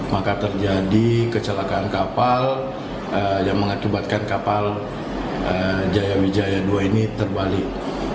maka terjadi kecelakaan kapal yang mengakibatkan kapal jaya wijaya dua ini terbalik